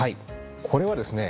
これはですね